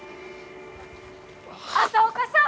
朝岡さん！